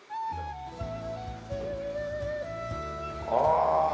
ああ。